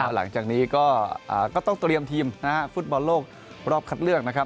หลังจากนี้ก็ต้องเตรียมทีมฟุตบอลโลกรอบคัดเลือกนะครับ